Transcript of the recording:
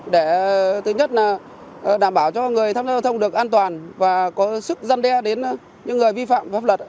để thứ nhất là đảm bảo cho người tham gia giao thông được an toàn và có sức dân đe đến những người vi phạm pháp luật